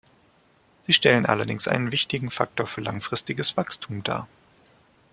Sie stellen allerdings einen wichtigen Faktor für langfristiges Wachstum dar.